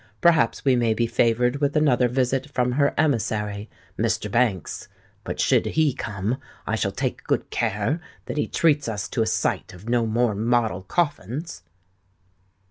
Perhaps we may be favoured with another visit from her emissary, Mr. Banks; but should he come, I shall take good care that he treats us to a sight of no more model coffins."